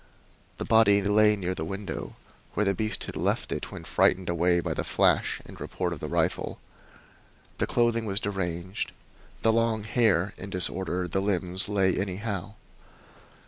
The body lay near the window, where the beast had left it when frightened away by the flash and report of the rifle. The clothing was deranged, the long hair in disorder, the limbs lay anyhow.